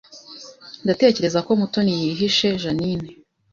Ndatekereza ko Mutoni yihishe Jeaninne